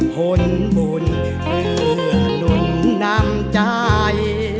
พ้นบุญเผื่อหนุนนำใจ